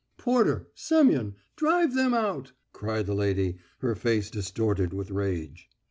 _" "Porter! Semyon! Drive them out!" cried the lady, her face distorted with rage.